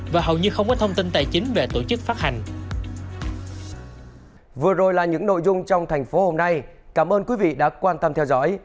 và hầu như không có thông tin tài chính về tổ chức phát hành